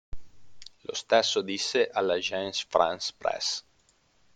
Lo stesso disse all"Agence France-Presse".